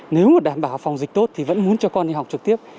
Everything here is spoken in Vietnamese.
nếu đảm bảo phòng dịch tốt thì vẫn muốn cho con đi học trực tiếp